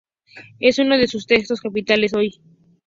Es uno de sus textos capitales hoy.